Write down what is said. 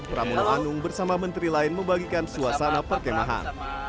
pramono anung bersama menteri lain membagikan suasana perkemahan